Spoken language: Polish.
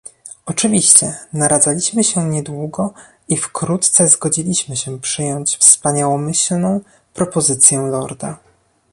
"Oczywiście, naradzaliśmy się niedługo i wkrótce zgodziliśmy się przyjąć wspaniałomyślną propozycję lorda."